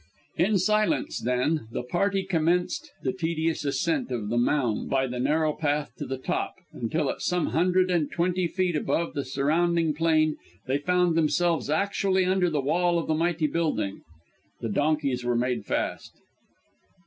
In silence, then, the party commenced the tedious ascent of the mound by the narrow path to the top, until at some hundred and twenty feet above the surrounding plain they found themselves actually under the wall of the mighty building. The donkeys were made fast.